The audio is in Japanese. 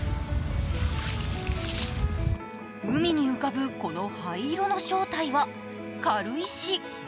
海に浮かぶこの灰色の正体は軽石。